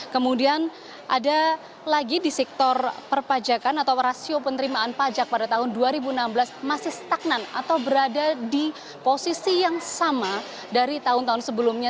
kemudian ada lagi di sektor perpajakan atau rasio penerimaan pajak pada tahun dua ribu enam belas masih stagnan atau berada di posisi yang sama dari tahun tahun sebelumnya